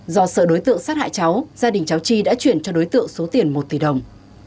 do sợ đối tượng sát hại cháu gia đình cháu chi đã chuyển cho đối tượng số tiền một tỷ đồng